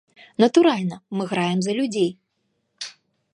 Натуральна, мы граем за людзей.